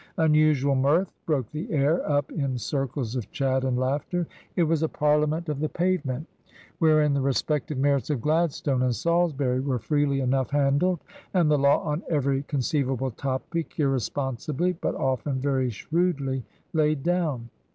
Unusual mirth broke the air up in circles of chat and laughter ; it was a parliament of the pavement, wherein the respective TRANSITION. 219 merits of Gladstone and Salisbury were freely enough handled, and the law on every conceivable topic irre sponsibly but often very shrewdly laid down.